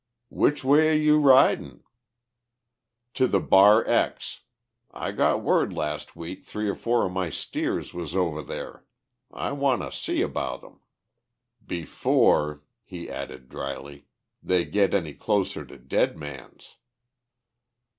"Which way are you ridin'?" "To the Bar X. I got word last week three or four of my steers was over there. I want to see about 'em. Before," he added drily, "they get any closer to Dead Man's."